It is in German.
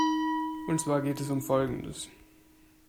Und zwar geht es um Folgendes.